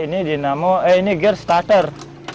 ini dinamo eh ini gear starter